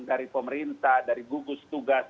dari pemerintah dari gugus tugas